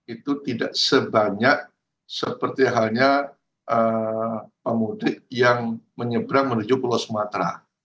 itu tidak sebanyak seperti halnya pemudik yang menyeberang menuju pulau sumatera